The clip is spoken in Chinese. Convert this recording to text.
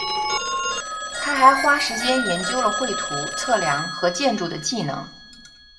他还花时间研究了绘图，测量和建筑的技能。